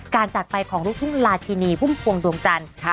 การจัดไปของลูกทุ่มลาชินีภุ่มภวงดวงจันทร์ค่ะ